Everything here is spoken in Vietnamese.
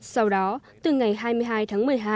sau đó từ ngày hai mươi hai tháng một mươi hai